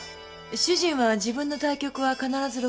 主人は自分の対局は必ず録画しておくんです。